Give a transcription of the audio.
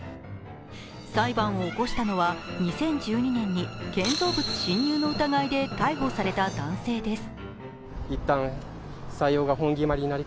裁判を起こしたのは２０１２年に建造物侵入の疑いで逮捕された男性です。